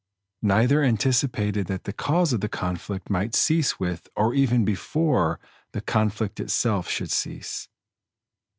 Neither anticipated that the cause of the conflict might cease with, or even before, the conflict itself should cease.